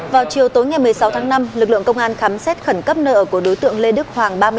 vào chiều tối ngày một mươi sáu tháng năm lực lượng công an khám xét khẩn cấp nơi ở của đối tượng lê đức hoàng